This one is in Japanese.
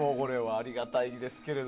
ありがたいですけど。